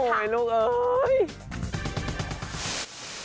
โอ้โฮลูกเอ๋ย